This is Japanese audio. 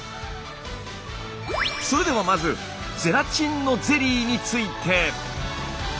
それではまずゼラチンのゼリーについて。